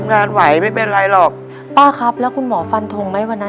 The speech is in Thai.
ก็บอกว่าป้าเจอเนื้อร้ายนะ